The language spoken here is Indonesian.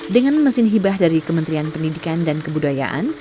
dengan mesin hibah dari kementerian pendidikan dan kebudayaan